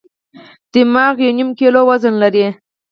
دماغ یو نیم کیلو وزن لري.